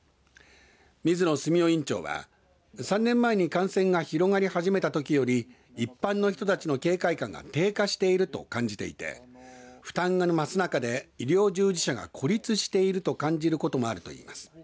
水野清雄院長は３年前に感染が広がり始めたときより一般の人たちの警戒感が低下していると感じていて負担が増すなかで医療従事者が孤立していると感じることもあるといいます。